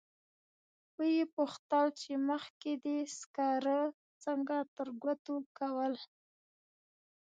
و یې پوښتل چې مخکې دې سکاره څنګه ترګوتو کول.